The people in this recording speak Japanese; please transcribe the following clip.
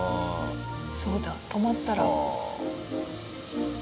そうだ止まったら。